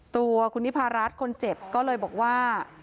ตัวคุณนิพารัฐคนเจ็บก็เลยบอกว่า